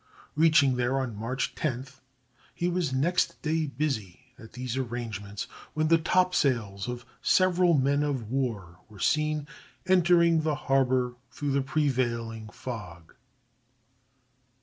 Reaching there on March 10th, he was next day busy at these arrangements, when the topsails of several men of war were seen entering the harbor through the prevailing fog.